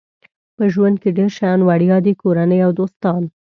په ژوند کې ډېر شیان وړیا دي کورنۍ او دوستان.